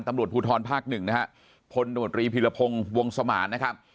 ตำรวจภูทรภาคหนึ่งนะฮะพลโนตรีพิรพงศ์วงสมานนะครับ